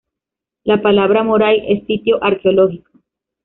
La palabra moray es sitio arqueológico.